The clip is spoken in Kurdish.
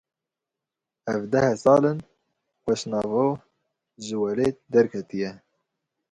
Ev deh sal in Xweşnavo ji welêt derketiye.